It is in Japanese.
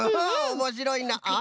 おもしろいな。